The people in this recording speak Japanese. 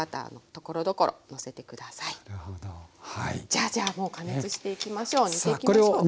じゃあじゃあもう加熱していきましょう煮ていきましょう。